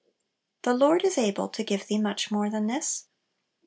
"The Lord is able to give thee much more than this."